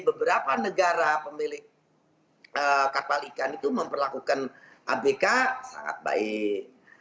beberapa negara pemilik kapal ikan itu memperlakukan abk sangat baik